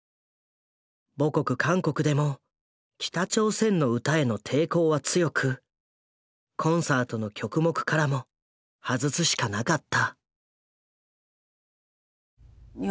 母国韓国でも「北朝鮮の歌」への抵抗は強くコンサートの曲目からも外すしかなかった。